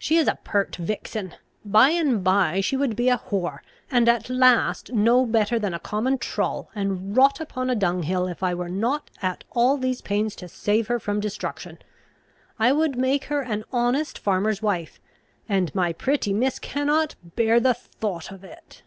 She is a pert vixen! By and by she would be a whore, and at last no better than a common trull, and rot upon a dunghill, if I were not at all these pains to save her from destruction. I would make her an honest farmer's wife, and my pretty miss cannot bear the thoughts of it!"